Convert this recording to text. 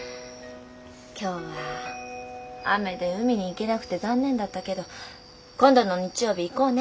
今日は雨で海に行けなくて残念だったけど今度の日曜日行こうね。